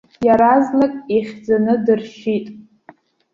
Иаразнак ихьӡаны дыршьит.